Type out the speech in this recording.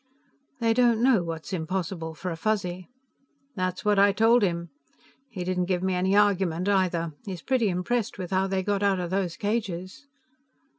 "They don't know what's impossible, for a Fuzzy." "That's what I told him. He didn't give me any argument, either. He's pretty impressed with how they got out of those cages."